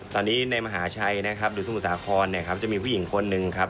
ตอนนี้ในมหาชัยนะครับสมุทรสาครจะมีผู้หญิงคนหนึ่งครับ